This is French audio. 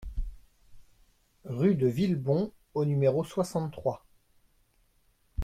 Rue de Villebon au numéro soixante-trois